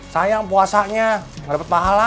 sayang puasanya gak dapet pahala